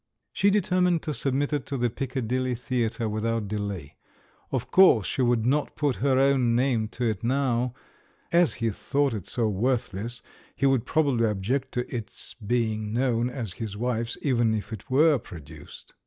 She determined to submit it to the Piccadilly Theatre without delay. Of course, she would not put her own name to it now — as he thought it so worthless he would probably object to its being known as his wife's even if it were produced.